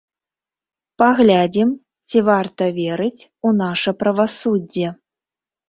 Паглядзім, ці варта верыць у наша правасуддзе.